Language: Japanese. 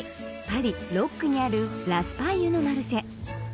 パリ６区にあるラスパイユのマルシェ